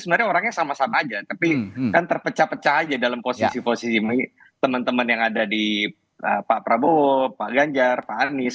sebenarnya orangnya sama sama aja tapi kan terpecah pecah aja dalam posisi posisi teman teman yang ada di pak prabowo pak ganjar pak anies